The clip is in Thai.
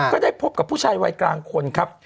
ก็ได้พบกับผู้ชายวัยกลางคนครับ